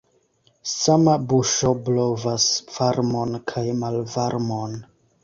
Sama buŝo blovas varmon kaj malvarmon.